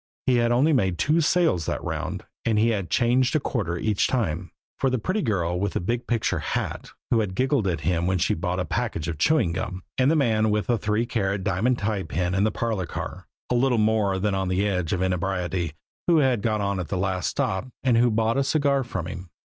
He had only made two sales that round, and he had changed a quarter each time for the pretty girl with the big picture hat, who had giggled at him when she bought a package of chewing gum; and the man with the three carat diamond tie pin in the parlor car, a little more than on the edge of inebriety, who had got on at the last stop, and who had bought a cigar from him.